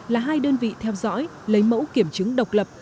là hai đơn vị theo dõi lấy mẫu kiểm chứng độc lập